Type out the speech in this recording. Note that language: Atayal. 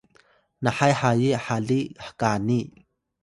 nahay hayi haliy hkani